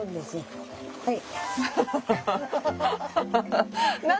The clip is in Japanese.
はい。